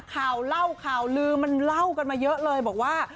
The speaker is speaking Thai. ข่าวเล่าข่าวลือมันเล่ากันมาเยอะเลยบอกว่า